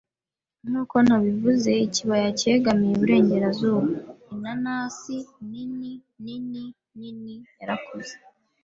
nkuko nabivuze, ikibaya cyegamiye iburengerazuba. Inanasi, nini nini nini, yarakuze